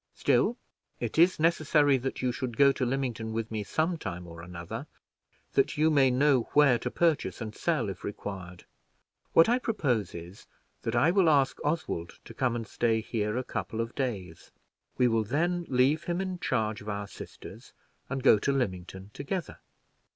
Still, it is necessary that you should go to Lymington with me some time or another, that you may know where to purchase and sell, if required. What I propose is, that I will ask Oswald to come and stay here a couple of days. We will then leave him in charge of our sisters, and go to Lymington together."